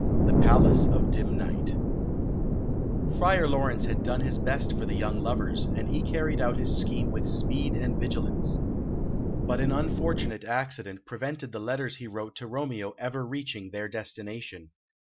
The Palace of Dim Night Friar Laurence had done his best for the young lovers, and he carried out his scheme with speed and vigilance. But an unfortunate accident prevented the letters he wrote to Romeo ever reaching their destination.